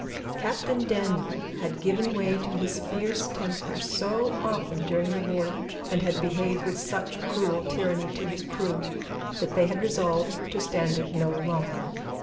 Captain Daniel had given way to his fierce temper so often during the voyage, and had behaved with such cruel tyranny to his crew, that they had resolved to stand it no longer.